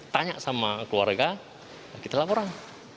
tanya sama keluarga kita laporan